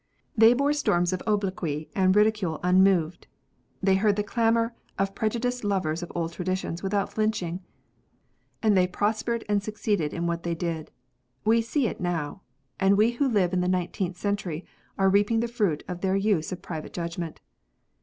They bore storms of obloquy and ridicule unmoved. They heard the clamour of prejudiced lovers of old traditions without flinching. And they prospered and succeeded in what they did. We see it now. And we who live in the nineteenth century are reaping the fruit of their use of private judgment.